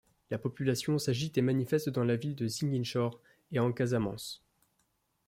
La population s'agite et manifeste dans la ville de Ziguinchor et en Casamance.